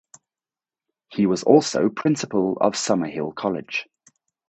He was also Principal of Summerhill College.